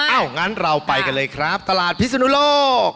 งั้นเราไปกันเลยครับตลาดพิศนุโลก